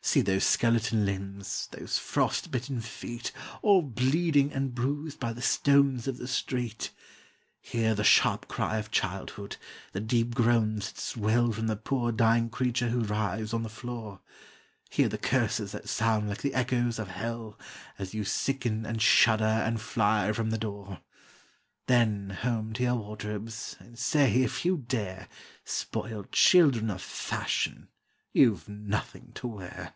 See those skeleton limbs, those frost bitten feet, All bleeding and bruised by the stones of the street; Hear the sharp cry of childhood, the deep groans that swell From the poor dying creature who writhes on the floor; Hear the curses that sound like the echoes of Hell, As you sicken and shudder and fly from the door; Then home to your wardrobes, and say, if you dare Spoiled children of Fashion you've nothing to wear!